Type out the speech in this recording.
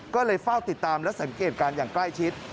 ก็เลยเฝ้าติดตามและสังเกตการณ์อย่างใกล้ชิด